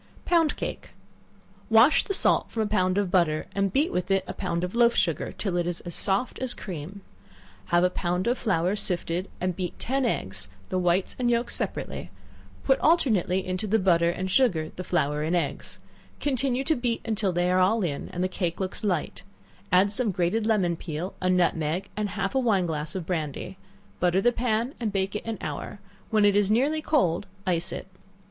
Pound Cake. Wash the salt from a pound of butter, and beat it with a pound of loaf sugar till it is as soft as cream; have a pound of flour sifted, and beat ten eggs, the whites and yelks separately; put alternately into the butter and sugar the flour and eggs, continue to beat till they are all in, and the cake looks light; add some grated lemon peel, a nutmeg, and half a wine glass of brandy; butter the pan, and bake it an hour; when it is nearly cold, ice it.